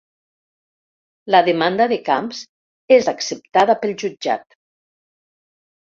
La demanda de Camps és acceptada pel jutjat